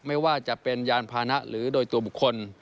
ไม่ว่าจะเป็นยานพานะหรือโดยตัวบุคคล